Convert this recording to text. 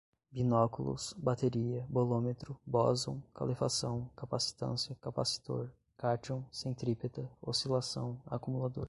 binóculos, bateria, bolômetro, bóson, calefação, capacitância, capacitor, cátion, centrípeta, oscilação, acumulador